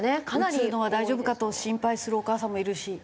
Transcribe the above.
打つのは大丈夫かと心配するお母さんもいるし。